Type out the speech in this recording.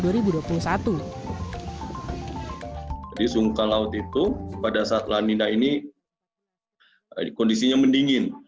jadi sungka laut itu pada saat lanina ini kondisinya mendingin